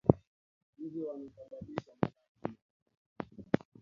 Nzi wanaosababisha malale